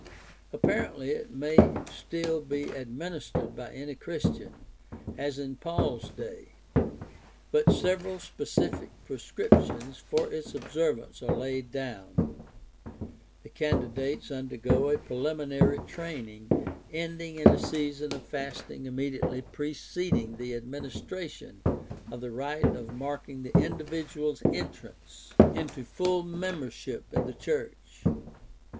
Apparently it may still be administered by any Christian, as in Paul's day (I Cor. 1:14 17), but several specific prescrip tions for its observance are laid down (e.g., Did., chap. 7). The candidates undergo a preliminary training ending in a season of fasting immediately preceding the administra tion of the rite marking the individual's entrance into full membership in the church.